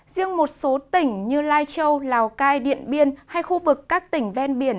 riêng một số tỉnh như lai châu lào cai điện biên hay khu vực các tỉnh ven biển